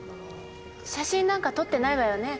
写真なんか撮ってないわよね？